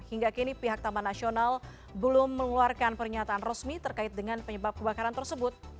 hingga kini pihak taman nasional belum mengeluarkan pernyataan resmi terkait dengan penyebab kebakaran tersebut